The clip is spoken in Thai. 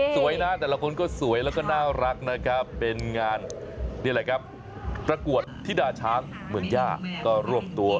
สวยนะแต่ละคนก็สวยแล้วก็น่ารักนะครับเป็นงานนี่แหละครับประกวดธิดาช้างเมืองย่าก็รวบตัว